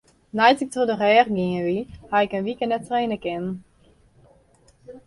Nei't ik troch de rêch gien wie, haw ik in wike net traine kinnen.